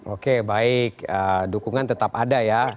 oke baik dukungan tetap ada ya